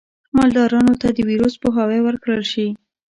مالدارانو ته د ویروس پوهاوی ورکړل شي.